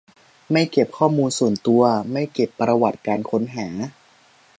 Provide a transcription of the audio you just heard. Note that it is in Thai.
ไม่เก็บข้อมูลส่วนตัว ไม่เก็บประวัติการค้นหา